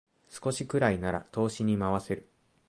少しくらいなら投資に回せる